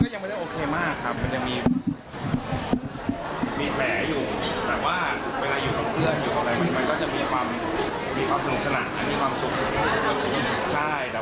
ยังไม่ได้โอเคมากครับมันยังมีแผลอยู่แต่ว่าเวลาอยู่กับเพื่อนอยู่กับอะไรมันก็จะมีความมีความสนุกสนานและมีความสุขอยู่